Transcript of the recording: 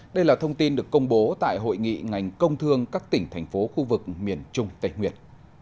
đây là thông tin được công bố tại hội nghị ngành công thương các tỉnh thành phố khu vực miền trung tây nguyệt